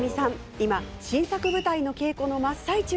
今、新作舞台の稽古の真っ最中。